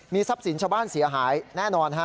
ทรัพย์สินชาวบ้านเสียหายแน่นอนฮะ